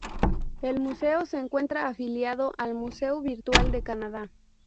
El museo se encuentra afiliado al Museo virtual de Canadá.